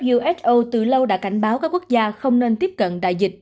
uso từ lâu đã cảnh báo các quốc gia không nên tiếp cận đại dịch